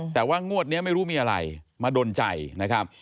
แต่ว่างวดนี้ไม่รู้มีอะไรมาดนใจนะครับ